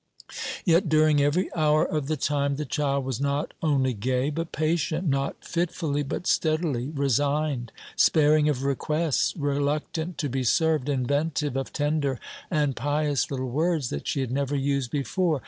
Yet during every hour of the time the child was not only gay but patient, not fitfully, but steadily, resigned, sparing of requests, reluctant to be served, inventive of tender and pious little words that she had never used before.